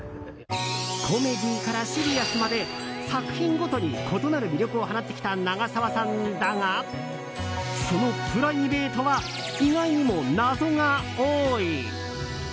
コメディーからシリアスまで作品ごとに異なる魅力を放ってきた長澤さんだがそのプライベートは意外にも謎が多い。